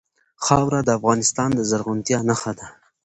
خاوره د افغانستان د زرغونتیا نښه ده.